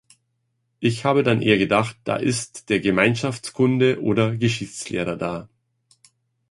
Ich habe dann eher gedacht, da ist der Gemeinschaftskunde- oder Geschichtslehrer da.